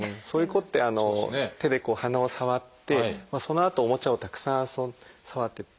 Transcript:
そういう子って手でこう鼻を触ってそのあとおもちゃをたくさん触って。